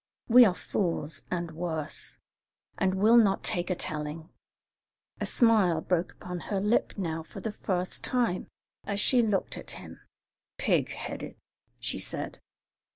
'We are fools and worse, and will not take a telling.'" A smile broke upon her lip now for the first time as she looked at him. "'Pig headed!'" she said.